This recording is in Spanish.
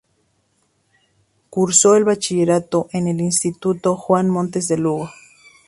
Cursó el bachillerato en el instituto Juan Montes de Lugo.